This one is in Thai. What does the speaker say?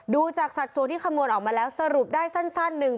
ดูจากสัดส่วนที่คำนวณออกมาแล้วสรุปได้สั้นหนึ่ง